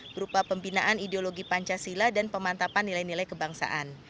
berupa pembinaan ideologi pancasila dan pemantapan nilai nilai kebangsaan